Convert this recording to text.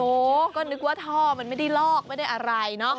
โอ้โหก็นึกว่าท่อมันไม่ได้ลอกไม่ได้อะไรเนอะ